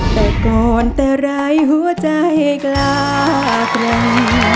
แต่ก้อนแต่ร้ายหัวใจกล้าเกร็ง